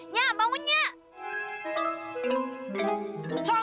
nyah bangun nyai laura tau gak